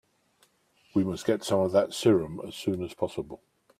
We must get some of that serum as soon as possible.